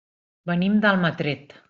Venim d'Almatret.